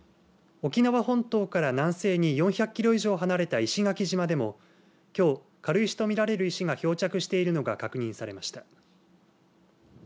沖縄本島から南西に４００キロ以上離れた石垣島でもきょう軽石とみられる石が漂着しているのが確認されました。